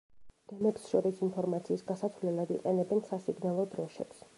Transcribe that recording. გემებს შორის ინფორმაციის გასაცვლელად იყენებენ სასიგნალო დროშებს.